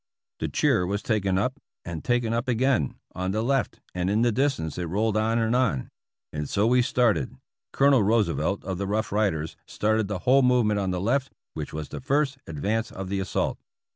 " The cheer was taken up and taken up again, on the left, and in the distance it rolled on and on. And so we started. Colonel Roosevelt, of the Rough Riders, started the whole movement on the left, which was the first ad vance of the assault."